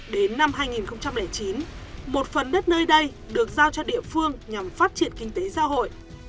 đến năm hai nghìn chín một phần đất nơi đây được giao cho địa phương nhằm phát triển kinh tế xã hội